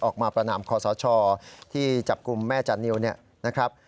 ออกมาประหน่ำคศที่จับกลุ่มแม่จันทนิวนะครับ